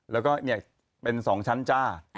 แล้วก็เป็น๒ชั้นจ้า